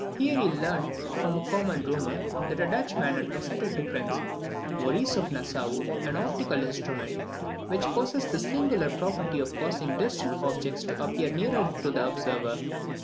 Here he learned, from common rumour, that a Dutchman had presented to prince Maurice of Nassau an optical instrument, which possessed the singular property of causing distant objects to appear nearer the observer.